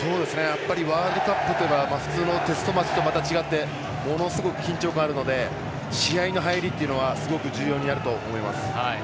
ワールドカップは普通のテストマッチとまた違ってものすごく緊張感あるので試合の入りっていうのはすごく重要になると思います。